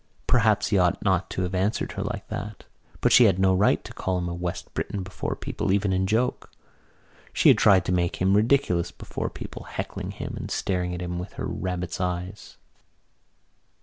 Perhaps he ought not to have answered her like that. But she had no right to call him a West Briton before people, even in joke. She had tried to make him ridiculous before people, heckling him and staring at him with her rabbit's eyes.